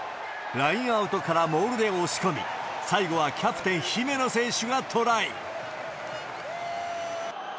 ラインアウトからモールで押し込み、最後はキャプテン、姫野選手がトライ。